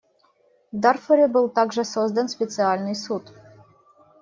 В Дарфуре был также создан специальный суд.